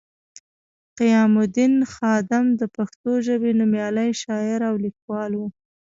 قیام الدین خادم د پښتو ژبې نومیالی شاعر او لیکوال وو